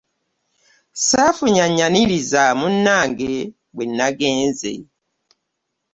Ssaafunye annyaniriza munnange bwe nagenze.